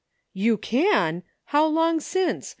"You can! How long since?